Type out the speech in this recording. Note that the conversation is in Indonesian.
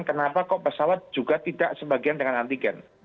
kenapa kok pesawat juga tidak sebagian dengan antigen